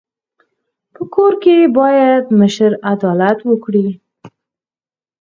په کور کي بايد مشر عدالت وکړي.